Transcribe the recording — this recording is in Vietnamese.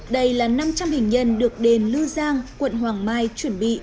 đây là năm trăm linh hình nhân được đền lư giang quận hoàng mai chuẩn bị